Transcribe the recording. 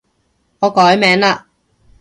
我改名嘞